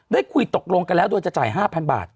ได้คุยตกลงกันแล้วโดยจะจ่าย๕๐๐บาท